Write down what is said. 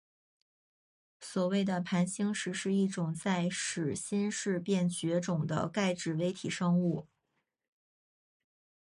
所谓的盘星石是一种在始新世便绝种的钙质微体生物。